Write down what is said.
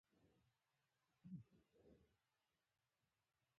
کور په ماشومانو ښکلے وي